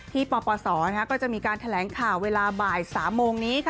ปปศก็จะมีการแถลงข่าวเวลาบ่าย๓โมงนี้